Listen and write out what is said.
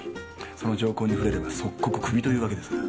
その条項に触れれば即刻クビというわけですから。